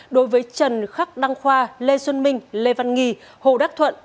đối với trần khắc đăng khoa lê xuân minh lê văn nghi hồ đắc thuận